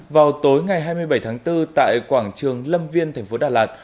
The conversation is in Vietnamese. vào tối ngày hai mươi bảy tháng bốn tại quảng trường lâm viên tp đà lạt